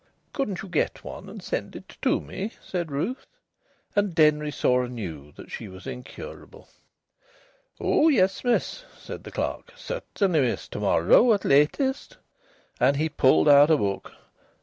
"Couldn't you get one and send it to me?" said Ruth. And Denry saw anew that she was incurable. "Oh yes, miss," said the clerk. "Certainly, miss. To morrow at latest." And he pulled out a book.